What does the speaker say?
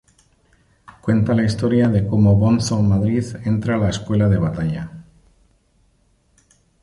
Cuenta la historia de como "Bonzo" Madrid entra la Escuela de Batalla.